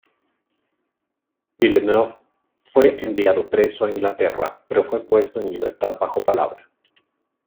Villeneuve fue enviado preso a Inglaterra, pero fue puesto en libertad bajo palabra.